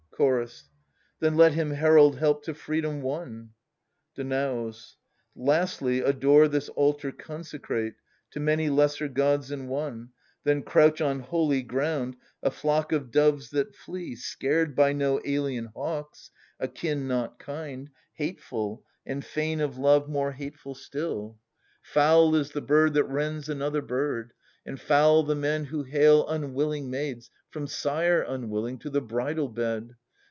^vf^' Chorus. qJo Then let hini herald help to freedom won. Danaus. Lastly, adore this altar consecrate To many lesser gods in one ; then crouch On holy ground, a flock of doves that flee, Scared by no alien hawks, a kin not kind, Hateful, and fain of love more hateful still. * Poseidon. THE SUPPLIANT MAIDENS, Foul is the bird that rends another bird, And foul the men who hale unwilling maids, From sire unwilling, to the bridal bed.